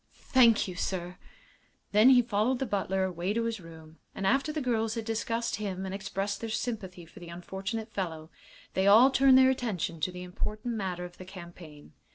"Thank you, sir." Then he followed the butler away to his room, and after the girls had discussed him and expressed their sympathy for the unfortunate fellow, they all turned their attention to the important matter of the campaign.